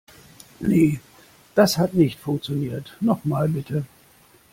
Nee, das hat nicht funktioniert. Nochmal bitte.